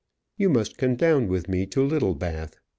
"You must come down with me to Littlebath.